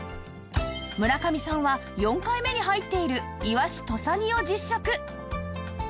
村上さんは４回目に入っているイワシ土佐煮を実食